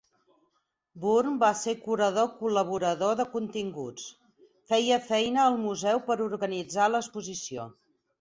Bourne va ser curador col·laborador de continguts. Feia feina al museu per organitzar l'exposició.